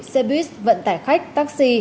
xe buýt vận tải khách taxi